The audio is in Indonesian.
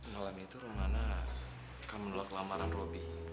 malam itu rumana kan menolak lamaran robi